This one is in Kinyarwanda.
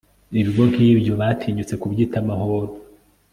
ibyago nk'ibyo batinyutse kubyita amahoro